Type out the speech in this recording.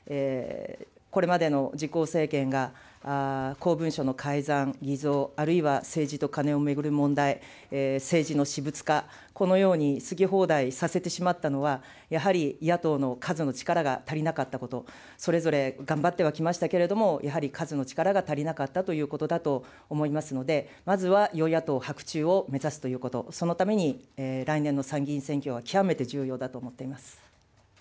これまでの自公政権が公文書の改ざん、偽造、あるいは政治とカネを巡る問題、政治の私物化、このように好き放題させてしまったのは、やはり野党の数の力が足りなかったこと、それぞれ頑張ってはきましたけれども、やはり数の力が足りなかったということだと思いますので、まずは与野党伯仲を目指すということ、そのために来年の参議院選挙は、極めて重要だと思っています。